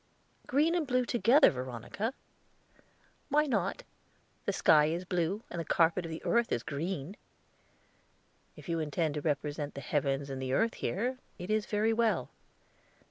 "Green and blue together, Veronica?" "Why not? The sky is blue, and the carpet of the earth is green." "If you intend to represent the heavens and the earth here, it is very well."